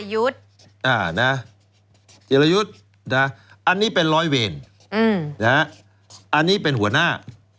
ล้อยตำลวดเอกกิรยุทธ์อันนี้เป็นล้อยเวรอันนี้เป็นหัวหน้า